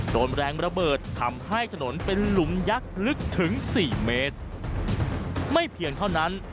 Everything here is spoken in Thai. โดนแรงระเบิดทำให้ถนนเป็นหลุมยักษ์ลึกถึงสี่เมตรไม่เพียงเท่านั้น